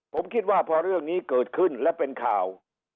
ผมคิดว่าพอเรื่องนี้เกิดขึ้นและเป็นข่าว